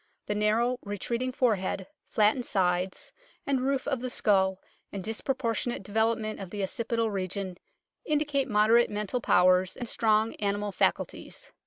The narrow retreating fore head, flattened sides and roof of the skull, and disproportionate development of the occipital region indicate moderate mental powers and strong animal faculties.